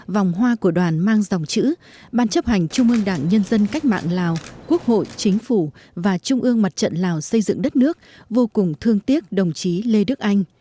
vòng hoa của đoàn mang dòng chữ ban chấp hành trung ương đảng nhân dân cách mạng lào quốc hội chính phủ và trung ương mặt trận lào xây dựng đất nước vô cùng thương tiếc đồng chí lê đức anh